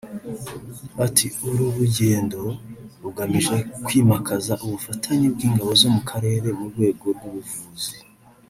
Ati” Uru rugendo rugamije kwimakaza ubufatanye bw’Ingabo zo mu Karere mu rwego rw’ubuvuzi